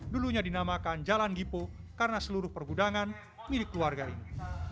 dulunya dinamakan jalan gipo karena seluruh pergudangan milik keluarga ini